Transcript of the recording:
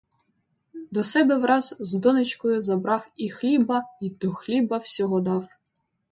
До себе враз з донечкою забрав і хліба й до хліба всього дав.